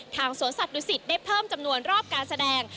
ทางสวนสัตว์ดุสิตได้เพิ่มจำนวนรอบการแสดง